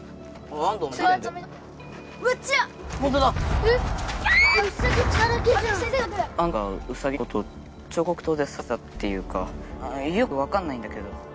安堂がウサギのこと彫刻刀で刺したっていうかよくわかんないんだけど。